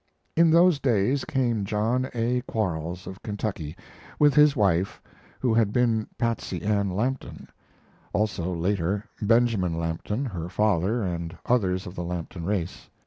In those days came John A. Quarles, of Kentucky, with his wife, who had been Patsey Ann Lampton; also, later, Benjamin Lampton, her father, and others of the Lampton race.